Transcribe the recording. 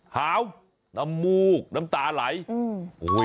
หาวน้ำมูกน้ำตาไหล